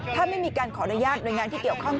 ถ้าไม่มีการขออนุญาตหน่วยงานที่เกี่ยวข้อง